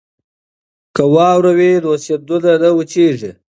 که واوره وي نو سیندونه نه وچیږي.